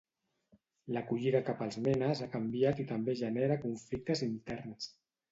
L'acollida cap als MENAs ha canviat i també genera conflictes interns.